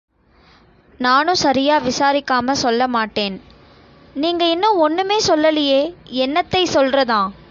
நானும் சரியா விசாரிக்காம சொல்லமாட்டேன். நீங்க இன்னும் ஒண்ணுமே சொல்லலியே! என்னத்தைச் சொல்றதாம்.